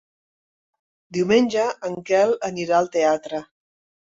Diumenge en Quel anirà al teatre.